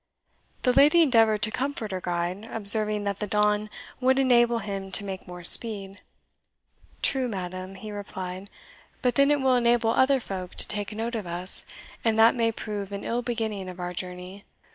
The lady endeavoured to comfort her guide, observing that the dawn would enable him to make more speed. "True, madam," he replied; "but then it will enable other folk to take note of us, and that may prove an ill beginning of our journey.